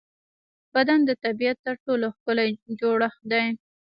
بدن د طبیعت تر ټولو ښکلی جوړڻت دی.